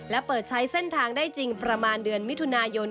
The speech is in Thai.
และเปิดใช้เส้นทางได้จริงประมาณเดือนมิถุนายน